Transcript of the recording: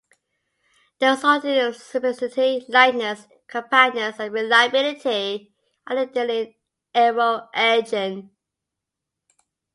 The resulting simplicity, lightness, compactness and reliability are ideal in an aero-engine.